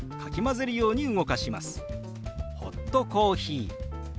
「ホットコーヒー」。